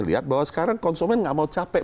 lihat bahwa sekarang konsumen nggak mau capek